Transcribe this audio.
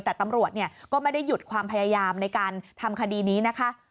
แต่ตำรวจก็ไม่ได้หยุดความพยายามในการทำคดีนี้นะคะ